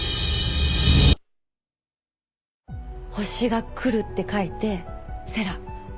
星が来るって書いて「星来」。